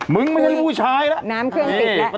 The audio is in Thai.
มึงไม่ใช่ผู้ชายแล้ว